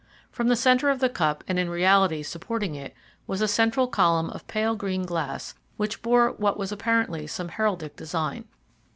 From the centre of the cup, and in reality supporting it, was a central column of pale green glass which bore what was apparently some heraldic design.